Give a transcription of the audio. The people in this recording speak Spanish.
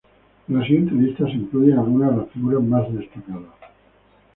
En la siguiente lista se incluyen algunas de las figuras más destacadas.